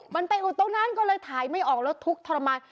มันไปอุดตรงนั้นก็เลยถ่ายไม่ออกแล้วทุกข์ทรมาน